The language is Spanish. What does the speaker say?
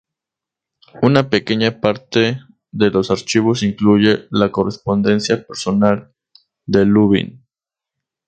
Una pequeña parte de los archivos incluye la correspondencia personal de Lubin.